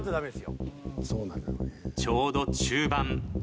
ちょうど中盤。